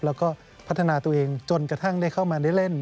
แล้วก็พัฒนาตัวเองจนกระทั่งได้เข้ามาได้เล่น